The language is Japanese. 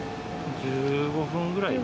１５分ぐらい。